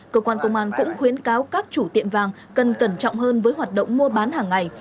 cơ quan công an cũng khuyến cáo các chủ tiệm vàng cần cẩn trọng hơn với hoạt động mua bán hàng ngày